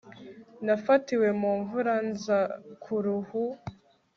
nafatiwe mu mvura nza kuruhu